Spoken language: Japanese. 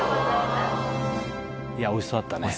いやおいしそうだったね。